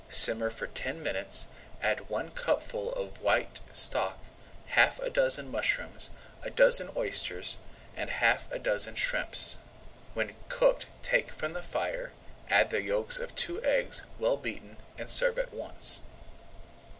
Simmer for ten minutes, add one cupful of white stock, half a dozen mushrooms, a dozen oysters, and half a dozen shrimps. When cooked take from the fire, add the yolks of two eggs well beaten, and serve at once.